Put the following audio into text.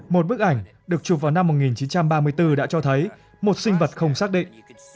một bức ảnh được chụp vào năm một nghìn chín trăm ba mươi bốn đã cho thấy một sinh vật không xác định